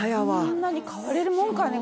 そんなに変われるもんかね？